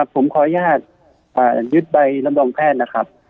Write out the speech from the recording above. ผมขออนุญาตยึดใบรับรองแพทย์นะครับ